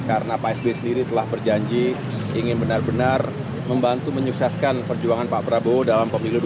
karena pak sby sendiri telah berjanji ingin benar benar membantu menyukseskan perjuangan pak prabowo dalam pemilu dua ribu dua puluh